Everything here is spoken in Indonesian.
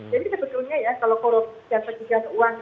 jadi sebetulnya ya